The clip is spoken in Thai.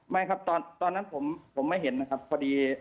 ไม่ครับตอนนั้นผมไม่เห็นนะครับพอดี